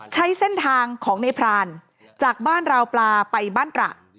ใช้เส้นทางของในพรานจากบ้านราวปลาไปบ้านตระ